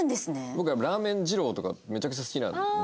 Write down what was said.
僕ラーメン二郎とかめちゃくちゃ好きなので。